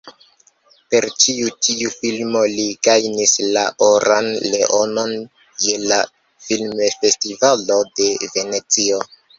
Per ĉi tiu filmo li gajnis la oran leonon je la Filmfestivalo de Venecio.